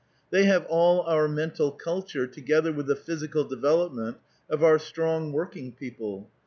They have all our mental culture together with the physical development of our strong working people.